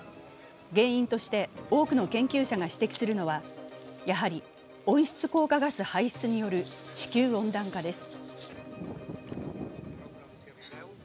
原因として多くの研究者が指摘するのはやはり温室効果ガス排出による地球温暖化です。